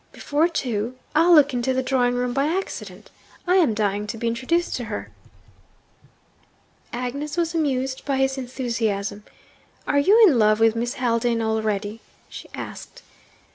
Before two? I'll look into the drawing room by accident I am dying to be introduced to her!' Agnes was amused by his enthusiasm. 'Are you in love with Miss Haldane already?' she asked.